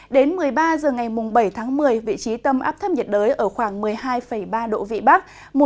đến một mươi ba h ngày bảy tháng một mươi vị trí tâm áp thấp nhiệt đới ở khoảng một mươi hai ba độ vị bắc